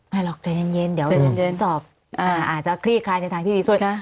ไม่หรอกใจเย็นเดี๋ยวสอบอาจจะคลีกคลายในทางที่ดีสุด